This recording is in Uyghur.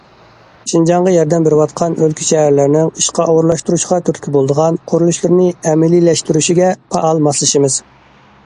شىنجاڭغا ياردەم بېرىۋاتقان ئۆلكە، شەھەرلەرنىڭ ئىشقا ئورۇنلاشتۇرۇشقا تۈرتكە بولىدىغان قۇرۇلۇشلىرىنى ئەمەلىيلەشتۈرۈشىگە پائال ماسلىشىمىز.